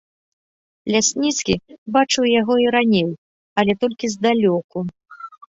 Лясніцкі бачыў яго і раней, але толькі здалёку.